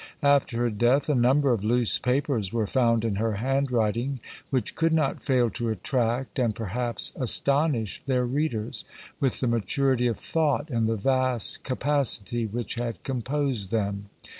After her death a number of loose papers were found in her handwriting, which could not fail to attract, and, perhaps, astonish their readers, with the maturity of thought and the vast capacity which had composed them.